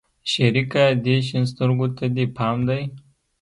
شريکه دې شين سترگو ته دې پام دى.